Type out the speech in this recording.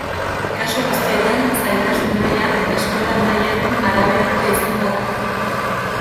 Kasu guztietan, zailtasun maila, eskola-mailaren araberakoa izango da.